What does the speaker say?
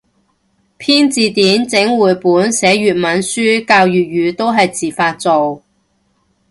編字典整繪本寫粵文書教粵語都係自發做